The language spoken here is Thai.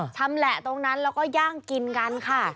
ชำแหละตรงนั้นแล้วก็ย่างกินกันค่ะ